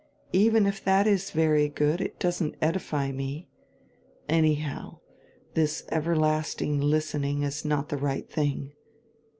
Even if that is very good it doesn't edify me. Anyhow, this everlasting listening is not the right tiling.